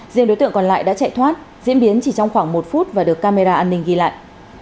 riêng đối tượng còn lại đã chạy thoát diễn biến chỉ trong khoảng một phút và được camera an ninh ghi lại